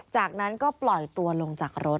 จากนั้นก็ปล่อยตัวลงจากรถ